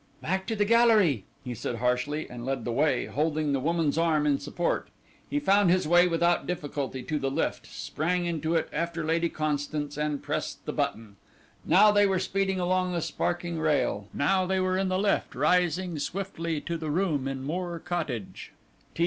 "Back to the gallery," he said harshly, and led the way, holding the woman's arm in support. He found his way without difficulty to the lift, sprang into it, after Lady Constance, and pressed the button.... Now they were speeding along the sparking rail ... now they were in the lift rising swiftly to the room in Moor Cottage.